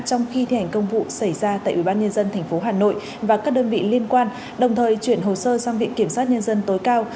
trong khi thi hành công vụ xảy ra tại ubnd tp hà nội và các đơn vị liên quan đồng thời chuyển hồ sơ sang viện kiểm sát nhân dân tối cao